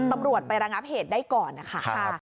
ตำรวจไประงับเหตุได้ก่อนนะคะ